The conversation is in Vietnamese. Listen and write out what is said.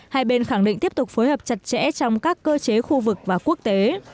hai bên khẳng định tiếp tục phối hợp chặt chẽ trong các cơ chế khu vực và quốc tế